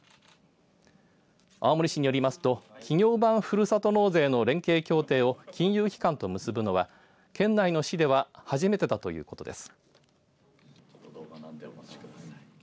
青森市によりますと企業版ふるさと納税の連携協定を金融機関と結ぶのは県内の市では初めてだということです。